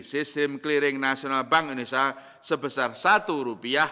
sistem clearing nasional bank indonesia sebesar rp satu